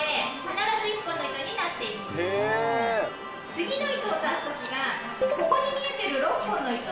次の糸を出すときがここに見えてる６本の糸。